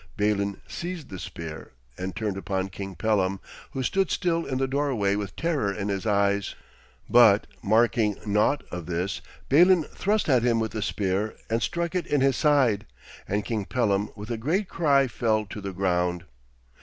Balin seized the spear, and turned upon King Pellam, who stood still in the doorway with terror in his eyes. But, marking naught of this, Balin thrust at him with the spear, and struck it in his side, and King Pellam with a great cry fell to the ground.